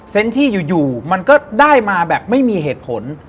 ที่อยู่มันก็ได้มาแบบไม่มีเหตุผล